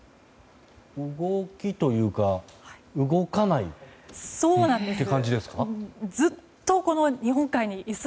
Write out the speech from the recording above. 動きというか動かないって感じですか？